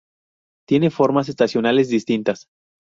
Tiene formas estacionales distintas.